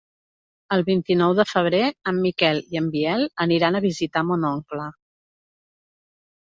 El vint-i-nou de febrer en Miquel i en Biel aniran a visitar mon oncle.